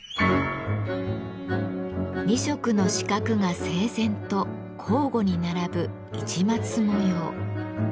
２色の四角が整然と交互に並ぶ市松模様。